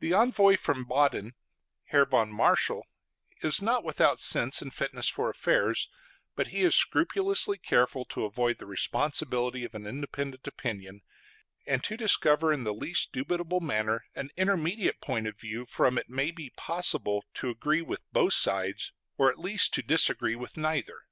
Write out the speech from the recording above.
The envoy from Baden, Herr von Marschall, is not without sense and fitness for affairs, but is scrupulously careful to avoid the responsibility of an independent opinion, and to discover in the least dubitable matter an intermediate point of view from it may be possible to agree with both sides, or at least to disagree with neither.